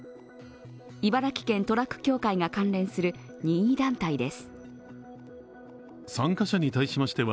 茨城県トラック協会が関連する任意団体です。